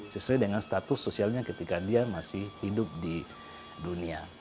sesuai dengan status sosialnya ketika dia masih hidup di dunia